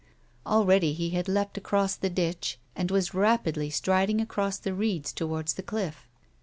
Already he had leapt across the ditch, and was rapidly striding across the reeds towards the cliff.